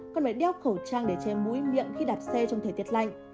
con phải đeo khẩu trang để che mũi miệng khi đạp xe trong thời tiết lạnh